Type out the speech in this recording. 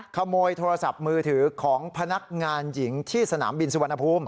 ขโมยโทรศัพท์มือถือของพนักงานหญิงที่สนามบินสุวรรณภูมิ